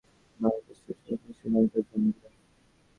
তাঁর সঙ্গে সময় কাটানোর জন্য বাংলাদেশ থেকে সরাসরি শ্রীলঙ্কায় যান বিরাট।